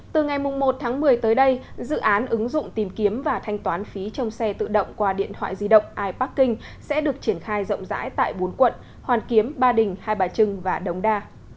từ ngày một tháng một mươi tới đây dự án ứng dụng tìm kiếm và thanh toán phí trong xe tự động qua điện thoại di động iparking sẽ được triển khai rộng rãi tại bốn quận hoàn kiếm ba đình hai bà trưng và đống đa